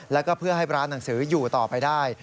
แล้วก็เพื่อให้ร้านหนังสืออยู่ต่อไปได้